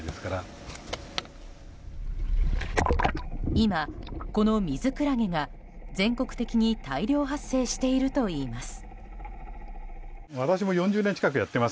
今、このミズクラゲが全国的に大量発生しているといいます。